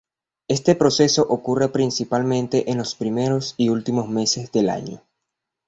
Este proceso ocurre principalmente en los primeros y los últimos meses del año.